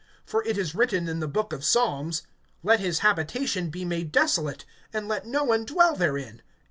(20)For it is written in the book of Psalms: Let his habitation be made desolate, And let no one dwell therein.